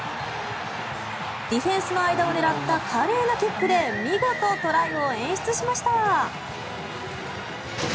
ディフェンスの間を狙った華麗なキックで見事、トライを演出しました。